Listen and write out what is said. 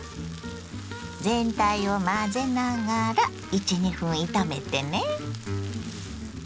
全体を混ぜながら１２分炒めてね。